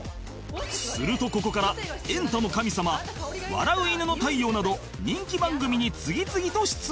するとここから『エンタの神様』『笑う犬の太陽』など人気番組に次々と出演！